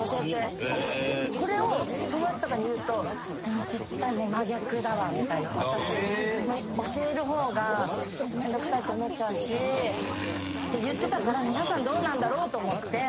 これを友達とかに言うと「絶対真逆だわ」みたいな。「教える方がめんどくさいと思っちゃうし」と言ってたから皆さんどうなんだろうと思って。